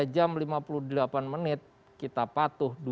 dua puluh jam lima puluh delapan menit kita patuh